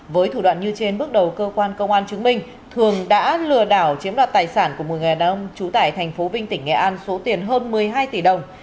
với thủ đoạn như trên bước đầu cơ quan công an chứng minh thường đã lừa đảo chiếm đoạt tài sản của một người đàn ông trú tại tp vinh tỉnh nghệ an số tiền hơn một mươi hai tỷ đồng